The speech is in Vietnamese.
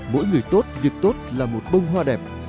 mỗi người tốt việc tốt là một bông hoa đẹp